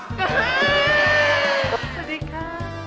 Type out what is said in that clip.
สวัสดีค่ะ